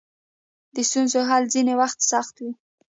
د ستونزو حل ځینې وخت سخت وي.